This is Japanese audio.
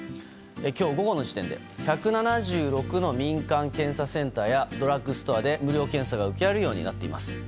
今日午後の時点で１７６の民間検査センターやドラッグストアで無料検査が受けられるようになっています。